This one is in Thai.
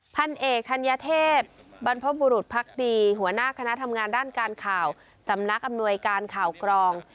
พันเอกธัญเทพบรรพบุรุษภักดีหัวหน้าคณะทำงานด้านการข่าวสำนักอำนวยการข่าวกรอง